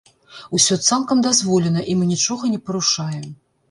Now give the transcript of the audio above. Усё цалкам дазволена і мы нічога не парушаем.